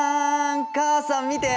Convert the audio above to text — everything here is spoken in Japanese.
母さん見て！